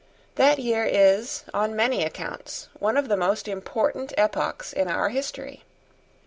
That year is, on many accounts, one of the most important epochs in our history.